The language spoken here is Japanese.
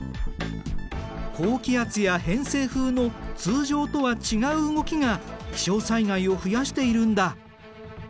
高気圧や偏西風の通常とは違う動きが気象災害を増やしているんだ。